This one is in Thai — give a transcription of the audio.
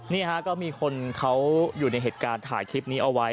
นี่ฮะก็มีคนเขาอยู่ในเหตุการณ์ถ่ายคลิปนี้เอาไว้